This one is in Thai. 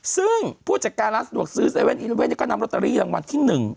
ซึ่งผู้จัดการร้านสะดวกซื้อ๗๑๑ก็นำโรตเตอรี่รางวัลที่๑